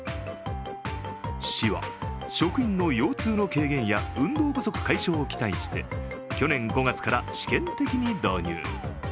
市は職員の腰痛の軽減や運動不足解消を期待して去年５月から試験的に導入。